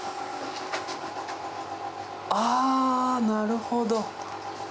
あなるほど。